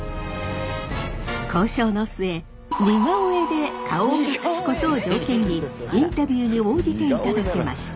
交渉の末似顔絵で顔を隠すことを条件にインタビューに応じていただけました。